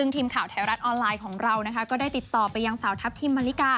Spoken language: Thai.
ทีมข่าวไทยรัฐออนไลน์ของเราก็ได้ติดต่อไปยังสาวทัพทิมมะลิกา